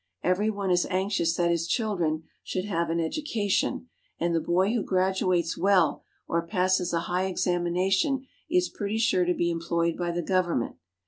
Every one is anxious that his children should have an education ; and the boy who gradu ates well or passes a high examination is pretty sure to be employed by the government.